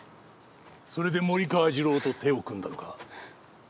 それで森川次郎と手を組んだのか。